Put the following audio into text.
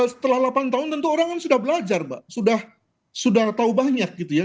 setelah delapan tahun tentu orang kan sudah belajar mbak sudah tahu banyak gitu ya